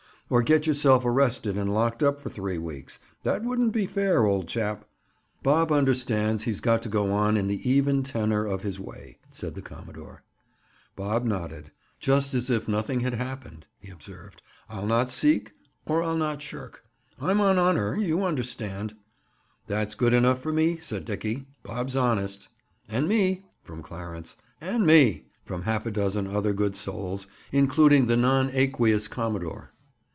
"Or get yourself arrested and locked up for three weeks! That wouldn't be fair, old chap." "Bob understands he's got to go on in the even tenor of his way," said the commodore. Bob nodded. "Just as if nothing had happened!" he observed. "I'll not seek, or I'll not shirk. I'm on honor, you understand." "That's good enough for me!" said Dickie. "Bob's honest." "And me!" from Clarence. "And me!" from half a dozen other good souls, including the non aqueous commodore.